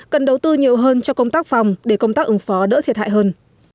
cần đầu tư nhiều hơn cho công tác phòng để công tác ứng phó đỡ thiệt hại hơn